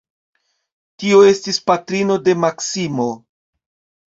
Tio estis patrino de Maksimo.